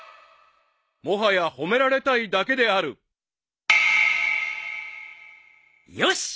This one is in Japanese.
［もはや褒められたいだけである］よし！